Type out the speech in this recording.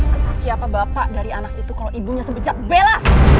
entah siapa bapak dari anak itu kalau ibunya sebejak bela